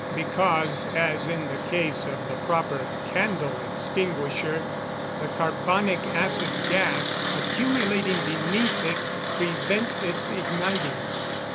_ Because, as in the case of the proper candle extinguisher, the carbonic acid gas accumulating beneath it prevents its igniting.